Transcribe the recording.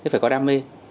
phải có đam mê